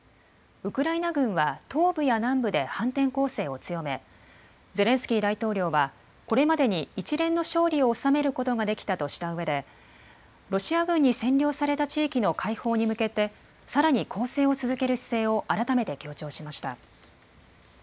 ウクライナ軍は東部や南部で反転攻勢を強め、ゼレンスキー大統領は、これまでに一連の勝利を収めることができたとしたうえで、ロシア軍に占領された地域の解放に向けて、さらに攻勢を続ける姿勢を改めて強調しました。